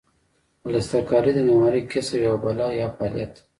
پلسترکاري د معمارۍ کسب یوه بله یا فعالیت دی.